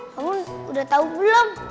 kamu udah tau belum